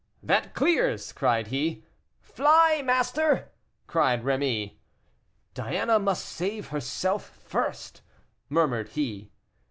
"That clears!" cried he. "Fly, master!" cried Rémy. "Diana must save herself first," murmured he.